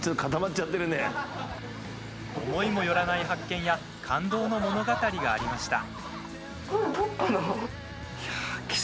思いもよらない発見や感動の物語がありました。